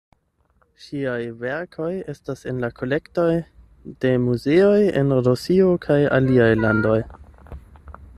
Ŝiaj verkoj estas en la kolektoj de muzeoj en Rusio kaj aliaj landoj.